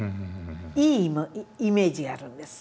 いいイメージがあるんです。